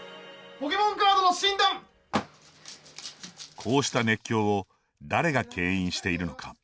こうした熱狂を誰が牽引しているのか。